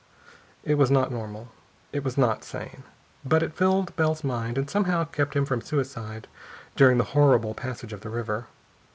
It was not normal. It was not sane. But it filled Bell's mind and somehow kept him from suicide during the horrible passage of the river.